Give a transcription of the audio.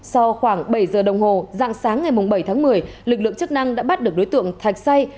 sau khoảng bảy giờ đồng hồ dạng sáng ngày bảy tháng một mươi lực lượng chức năng đã bắt được đối tượng thạch say